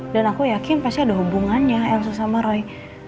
dan aku yakin pasti ada hubungannya elsa sama roy